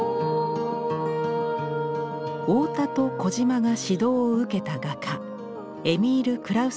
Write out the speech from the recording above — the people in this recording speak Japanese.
太田と児島が指導を受けた画家エミール・クラウスの作品です。